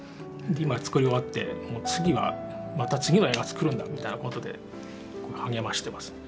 今作り終わって次はまた次の映画を作るんだみたいなことで励ましています。